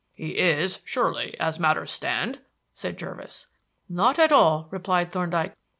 "He is, surely, as matters stand," said Jervis. "Not at all," replied Thorndyke.